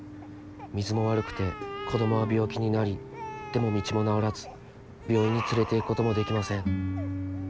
水も悪くて子供は病気になりでも道も直らず病院に連れていくこともできません」。